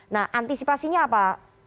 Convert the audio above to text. nah antisipasinya apa